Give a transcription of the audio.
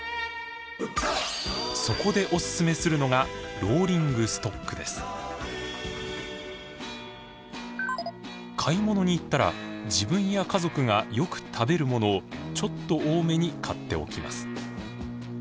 そこでおすすめするのが買い物に行ったら自分や家族がよく食べるものをちょっと多めに買っておきます。